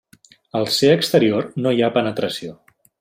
Al ser exterior no hi ha penetració.